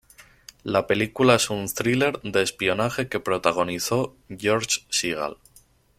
La película es un thriller de espionaje que protagonizó George Seagal.